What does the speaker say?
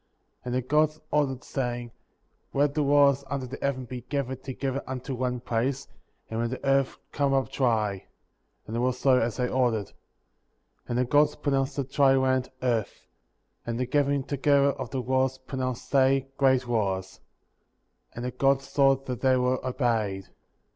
And the Gods ordered, saying: Let the waters under the heaven be gathered together unto one place, and let the earth come up dry; and it was so as they ordered; 10. And the Gods pronounced the dry land, earth ; and the gathering together of the waters, pronounced they, great waters; and the Gods saw that they were obeyed.*' 11.